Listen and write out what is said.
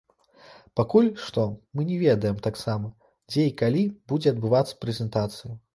Пакуль што мы не ведаем таксама, дзе і калі будзе адбывацца прэзентацыя.